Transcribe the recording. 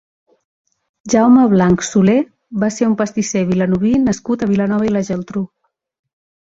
Jaume Blanch Soler va ser un pastisser vilanoví nascut a Vilanova i la Geltrú.